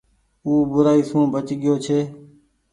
او بورآئي سون بچ گيو ڇي